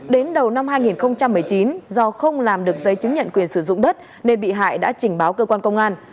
đến đầu năm hai nghìn một mươi chín do không làm được giấy chứng nhận quyền sử dụng đất nên bị hại đã trình báo cơ quan công an